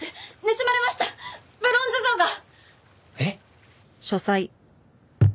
盗まれましたブロンズ像が！えっ！？